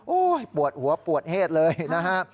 ปวดหัวปวดเหตุเลยนะฮะ